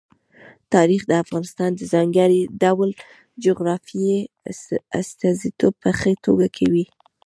تاریخ د افغانستان د ځانګړي ډول جغرافیې استازیتوب په ښه توګه کوي.